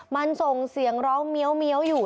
มันส่งเสียงร้องเมียวอยู่